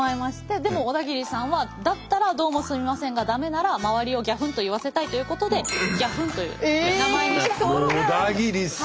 でも小田切さんはだったらドーモスミマセンが駄目なら周りをギャフンと言わせたいということでギャフンという名前にしたところ。